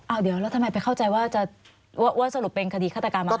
อ้าวเดี๋ยวแล้วทำไมไปเข้าใจว่าจะว่าสรุปเป็นคดีฆาตกรรมหรือเปล่า